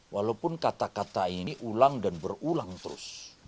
walaupun kata kata ini ulang dan berulang terus